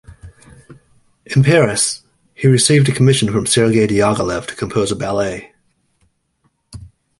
In Paris, he received a commission from Serge Diaghilev to compose a ballet.